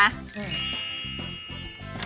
อรับมา